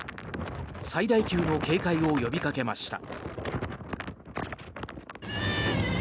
最大級の警戒を呼びかけました。